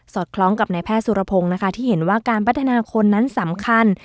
คล้องกับนายแพทย์สุรพงศ์นะคะที่เห็นว่าการพัฒนาคนนั้นสำคัญ